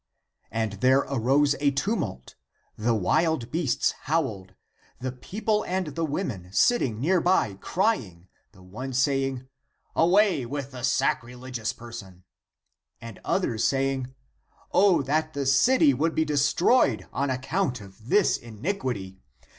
And there arose a tumult : the wild beasts howled, the people and the women, sitting near by crying, the one saying, " Away with the sacrilegious person !" The others saying, " O that the city would be destroyed on account of this iniquity!